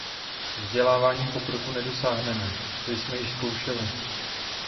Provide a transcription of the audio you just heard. Vzděláváním pokroku nedosáhneme, to jsme již zkoušeli.